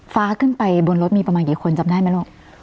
ฟ้าขึ้นไปบนรถมีประมาณกี่คนจำได้ไหมลูก